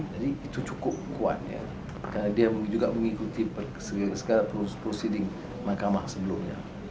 jadi itu cukup kuatnya karena dia juga mengikuti segala prosedur mahkamah sebelumnya